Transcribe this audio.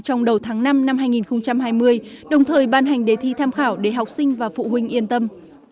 trong đầu tháng năm năm hai nghìn hai mươi đồng thời ban hành đề thi tham khảo để học sinh và phụ huynh yên tâm